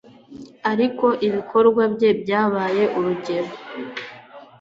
ariko ibikorwa bye byabaye urugero